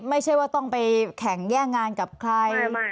ไม่ใช่ว่าต้องไปแข่งแย่งงานกับใคร